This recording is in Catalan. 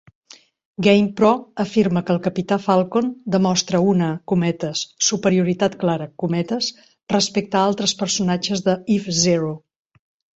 GamePro afirma que el capità Falcon demostra una "superioritat clara" respecte a altres personatges de F-Zero.